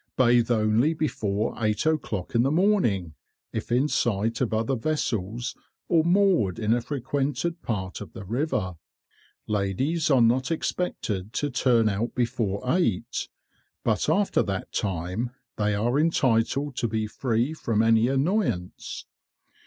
Bathe only before eight o'clock in the morning, if in sight of other vessels or moored in a frequented part of the river. Ladies are not expected to turn out before eight, but after that time they are entitled to be free from any annoyance.